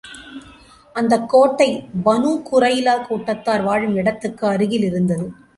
அந்தக் கோட்டை பனூ குறைலா கூட்டத்தார் வாழும் இடத்துக்கு அருகில் இருந்தது.